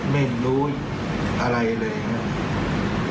ไม่รู้อะไรเลยครับ